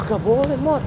kagak boleh mot